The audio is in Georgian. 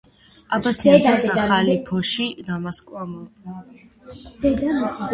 აბასიანთა სახალიფოში დამასკო ამავე სახელწოდების პროვინციის მთავარი ქალაქი იყო.